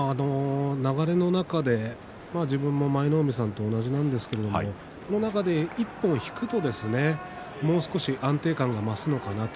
流れの中で自分も舞の海さんと同じなんですけどこの中で一歩引くと、もう少し安定感が増すのかなと。